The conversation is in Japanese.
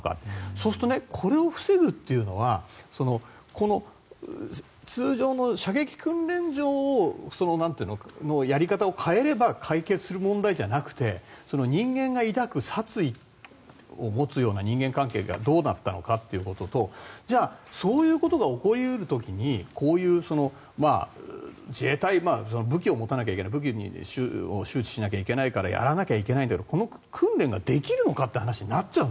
そうすると、これを防ぐのは通常の射撃訓練場のやり方を変えれば解決する問題じゃなくて人間が抱く殺意を持つような人間関係がどうだったのかということとじゃあ、そういうことが起こり得る時に、こういう自衛隊武器を持たなきゃいけない武器を知らなきゃいけないからやらなきゃいけないという中でこの訓練ができるのかという話になっちゃう。